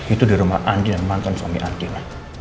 itu di rumah andin yang menangkan suami andin